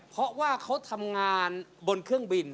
เพราะว่าเขาทำงานบนเครื่องบิน